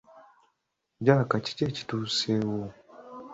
Jaaka kiki ekituseewo?